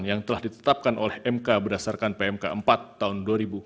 yang telah ditetapkan oleh mk berdasarkan pmk empat tahun dua ribu dua puluh